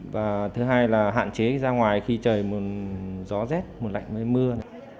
và thứ hai là hạn chế ra ngoài khi trời gió z mùa lạnh mưa